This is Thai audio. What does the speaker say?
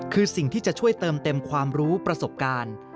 คือสิ่งที่จะช่วยเติมเต็มความรู้ประสบการณ์